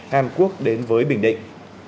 hàn quốc đến với bình định